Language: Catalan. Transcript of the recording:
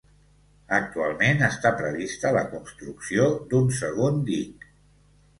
Actualment està prevista la construcció d'un segon dic.